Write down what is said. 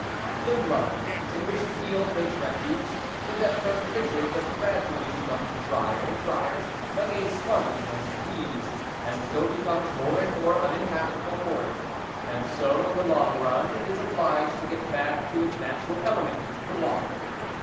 The mud in which the eel takes refuge is at first liquid, but gradually becomes drier and drier, like a sponge when squeezed, and so becomes more and more uninhabitable for it, and so, in the long run, it is obliged to get back to its natural element the water.